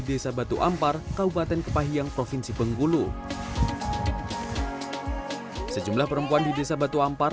desa batu ampar kabupaten kepahiyang provinsi bengkulu sejumlah perempuan di desa batu ampar